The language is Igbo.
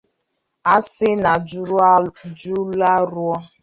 A sị na jụlaruo